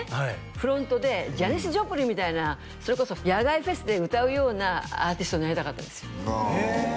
フロントでジャニス・ジョプリンみたいなそれこそ野外フェスで歌うようなアーティストになりたかったんですよへえ